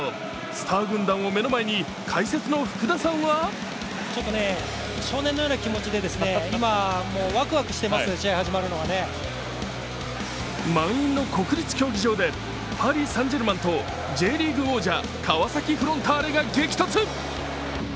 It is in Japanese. スター軍団を目の前に解説の福田さんは満員の国立競技場でパリ・サン＝ジェルマンとＪリーグ王者、川崎フロンターレが激突。